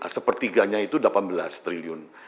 sepertiganya itu delapan belas triliun